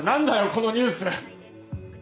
このニュース。